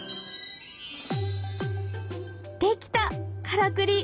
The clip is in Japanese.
出来たからくり！